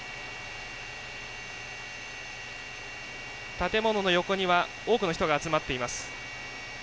建物の横には多くの人が集まっています。